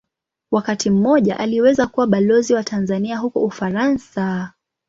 Wakati mmoja aliweza kuwa Balozi wa Tanzania huko Ufaransa.